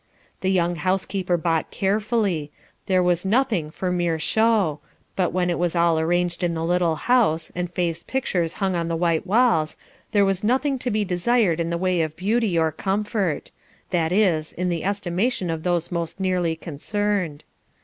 The young housekeeper bought carefully; there was nothing for mere show, but when it was all arranged in the little house, and Faith's pictures hung on the white walls, there was nothing to be desired in the way of beauty or comfort that is, in the estimation of those most nearly concerned.